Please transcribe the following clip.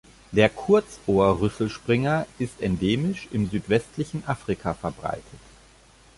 Der Kurzohrrüsselspringer ist endemisch im südwestlichen Afrika verbreitet.